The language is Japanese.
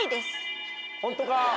ホントか？